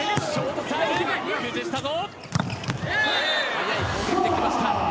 速い攻撃で来ました。